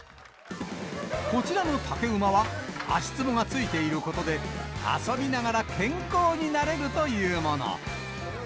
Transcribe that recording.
こちらの竹馬は、足つぼがついていることで、遊びながら健康になれるというもの。